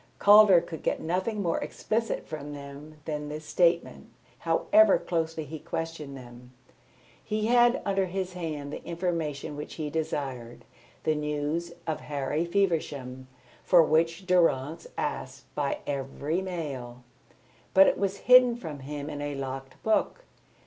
Calder could get nothing more explicit from them than this statement, however closely he questioned them. He had under his hand the information which he desired, the news of Harry Feversham for which Durrance asked by every mail, but it was hidden from him in a locked book.